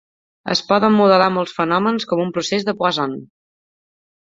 Es poden modelar molts fenòmens com un procés de Poisson.